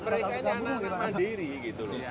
mereka ini anak anak mandiri gitu loh